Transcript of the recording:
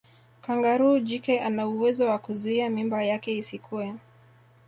Kangaroo jike anauwezo wa kuzuia mimba yake isikue